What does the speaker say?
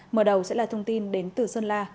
mở đầu sẽ là thông tin đến từ sơn la